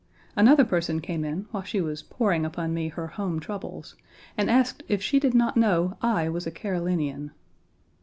Another person came in, while she was pouring upon me her home troubles, and asked if she did not know I was a Carolinian.